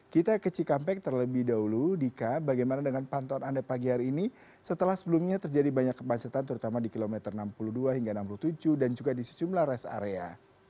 kita ke cikampek terlebih dahulu dika bagaimana dengan pantauan anda pagi hari ini setelah sebelumnya terjadi banyak kemacetan terutama di kilometer enam puluh dua hingga enam puluh tujuh dan juga di sejumlah rest area